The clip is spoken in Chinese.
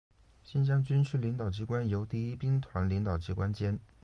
新疆军区领导机关由第一兵团领导机关兼。